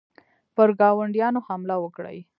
پر ګاونډیانو حمله وکړي.